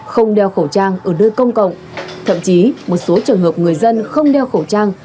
không đeo khẩu trang ở nơi công cộng thậm chí một số trường hợp người dân không đeo khẩu trang